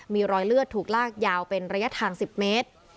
มีรอยเลือดถูกลากยาวเป็นระยะทาง๑๐เมตร